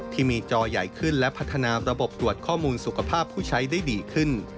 ที่มีจอใหญ่ขึ้นและพัฒนาระบบตรวจข้อมูลสุขภาพผู้ใช้ได้ดีขึ้น